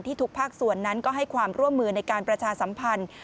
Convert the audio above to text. ทุกภาคส่วนนั้นก็ให้ความร่วมมือในการประชาสัมพันธ์